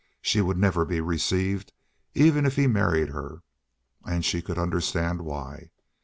She would never be received, even if he married her. And she could understand why.